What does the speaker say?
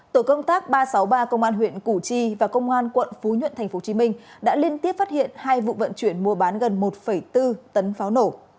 tổ công tác ba trăm sáu mươi ba công an huyện củ chi và công an quận phú nhuận tp hcm đã liên tiếp phát hiện hai vụ vận chuyển mua bán gần một bốn tấn pháo nổ